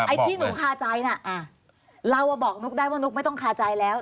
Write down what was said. ที่หนูคาใจน่ะเราบอกนุ๊กได้ว่านุ๊กไม่ต้องคาใจแล้ว